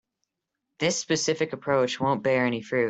This specific approach won't bear any fruit.